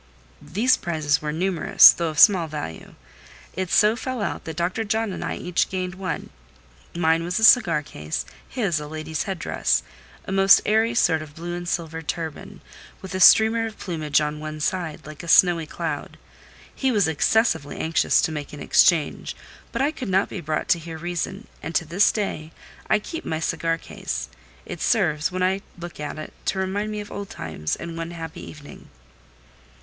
These prizes were numerous, though of small value. It so fell out that Dr. John and I each gained one: mine was a cigar case, his a lady's head dress—a most airy sort of blue and silver turban, with a streamer of plumage on one side, like a snowy cloud. He was excessively anxious to make an exchange; but I could not be brought to hear reason, and to this day I keep my cigar case: it serves, when I look at it, to remind me of old times, and one happy evening.